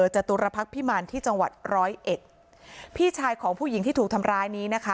จตุรพักษ์พิมารที่จังหวัดร้อยเอ็ดพี่ชายของผู้หญิงที่ถูกทำร้ายนี้นะคะ